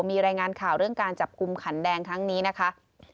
มีรายงานข่าวเรื่องการจับกลุ่มขันแดงครั้งนี้นะคะ